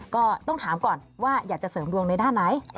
ก็ต้องถามก่อนว่าอยากจะเสริมดวงในด้านไหน